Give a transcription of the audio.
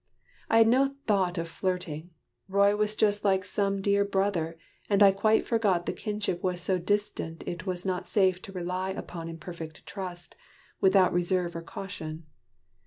I had no thought of flirting. Roy was just Like some dear brother, and I quite forgot The kinship was so distant it was not Safe to rely upon in perfect trust, Without reserve or caution.